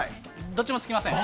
どっちもつきません。